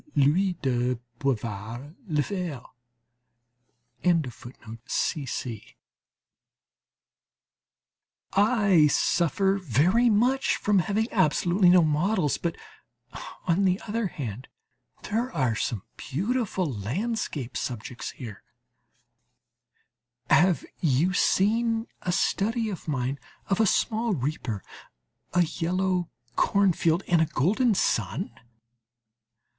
I suffer very much from having absolutely no models; but on the other hand there are some beautiful landscape subjects here. Have you seen a study of mine of a small reaper, a yellow cornfield and a golden sun?